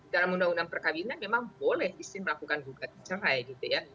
dalam undang undang perkawinan memang boleh istri melakukan gugat cerai gitu ya